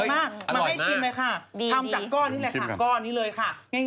มากมาให้ชิมเลยค่ะดีทำจากก้อนนี้เลยค่ะก้อนนี้เลยค่ะง่าย